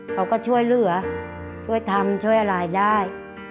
เขาก็ช่วยเหลือช่วยทำช่วยอะไรได้